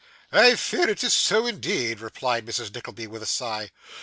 'I fear it is so indeed,' replied Mrs. Nickleby with a sigh.